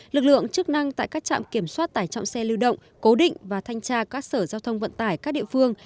lực lượng chức năng tại các trạm kiểm soát tải trọng xe lưu động cố định và thanh tra các sở giao thông vận tải các địa phương